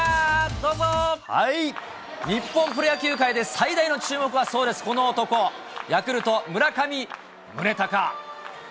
日本プロ野球界で最大の注目は、そうです、この男、ヤクルト、村上宗隆。